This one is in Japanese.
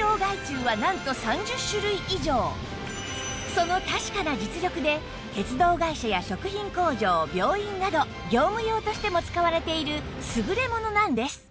その確かな実力で鉄道会社や食品工場病院など業務用としても使われている優れものなんです